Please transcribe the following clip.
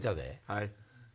はい。